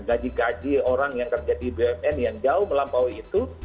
gaji gaji orang yang kerja di bumn yang jauh melampaui itu